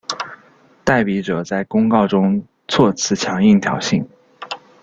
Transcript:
代笔者在公告中措辞强硬挑衅。